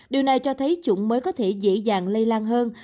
điều này cho thấy chủng mới có thể dễ dàng lây lan hơn